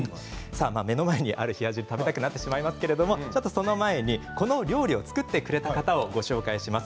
目の前にある冷や汁食べたくなってしまいますけどちょっとその前にこの料理を作ってくれた方をご紹介します。